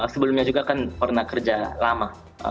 sebelumnya juga kan pernah kerja lama